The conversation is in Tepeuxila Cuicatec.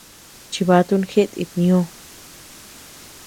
Chivatun jeʼet itñoʼo.